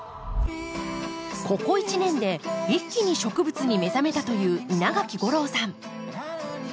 ここ１年で一気に植物に目覚めたという稲垣吾郎さん。